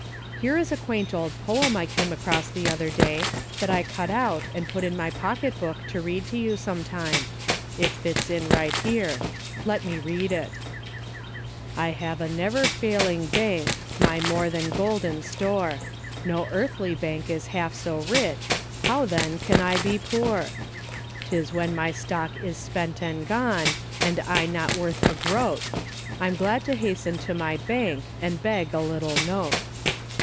Here is a quaint old poem I came across the other day that I cut out and put in my pocketbook to read to you some time. It fits in right here, let me read it *"' I have a never failing bank, My more than golden store ; No earthly bank is half so rich, How, then, can I be poor ?"' 'Tis when my stock is spent and gone, And I not worth a groat; I'm glad to hasten to my bank. And beg a little note.